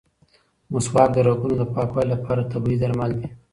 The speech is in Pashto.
مسواک د رګونو د پاکوالي لپاره طبیعي درمل دي.